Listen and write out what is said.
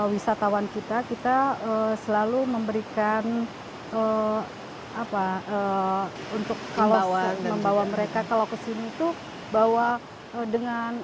wisatawan kita kita selalu memberikan apa untuk kalau membawa mereka kalau kesini tuh bahwa dengan